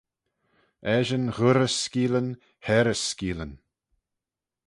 Eshyn ghuirrys skeeallyn hayrrys skeeallyn